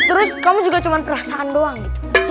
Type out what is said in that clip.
terus kamu juga cuma perasaan doang gitu